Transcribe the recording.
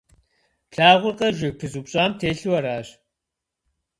Плъагъуркъэ, жыг пызупщӀам телъу аращ.